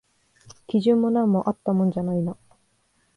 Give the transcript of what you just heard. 基準も何もあったもんじゃないな